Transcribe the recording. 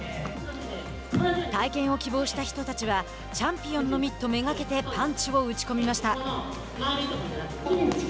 体験を希望した人たちはチャンピオンのミット目がけてパンチを打ち込みました。